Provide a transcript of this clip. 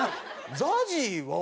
ＺＡＺＹは。